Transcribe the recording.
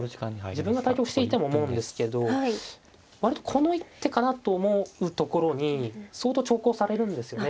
自分が対局していても思うんですけど割とこの一手かなと思うところに相当長考されるんですよね